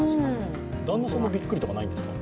旦那さんもびっくりとかないんですか？